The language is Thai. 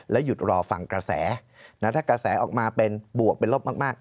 หยุดรอฟังกระแสถ้ากระแสออกมาเป็นบวกเป็นลบมาก